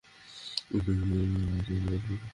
ওই জায়গায় technical glitch আছে।